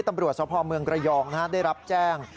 ตำรวจสพเมืองระยองได้รับแจ้ง